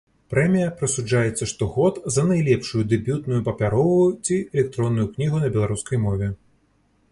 Прэмія прысуджаецца штогод за найлепшую дэбютную папяровую ці электронную кнігу на беларускай мове.